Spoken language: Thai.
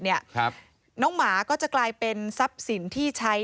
ลักษณะที่น้องหมาก็จะกลายเป็นซับสินที่ใช้